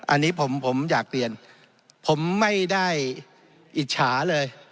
อันนี้ผมอยากเรียนผมไม่ได้อิจฉาเลย